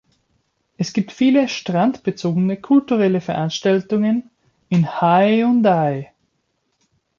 Es gibt viele strandbezogene kulturelle Veranstaltungen in Haeundae.